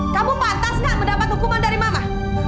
kamu pantas gak mendapat hukuman dari mama